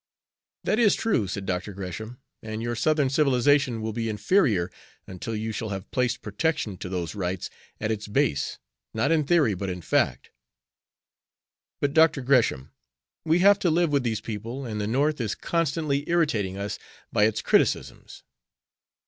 "That is true," said Dr. Gresham; "and your Southern civilization will be inferior until you shall have placed protection to those rights at its base, not in theory but in fact." "But, Dr. Gresham, we have to live with these people, and the North is constantly irritating us by its criticisms."